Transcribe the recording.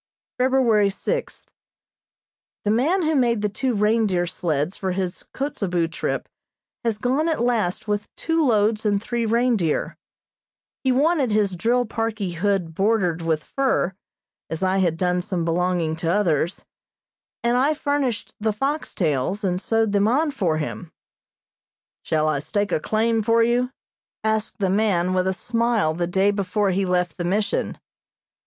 February sixth: The man who made the two reindeer sleds for his Kotzebue trip has gone at last with two loads and three reindeer. He wanted his drill parkie hood bordered with fur, as I had done some belonging to others, and I furnished the fox tails, and sewed them on for him. "Shall I stake a claim for you?" asked the man with a smile the day before he left the Mission.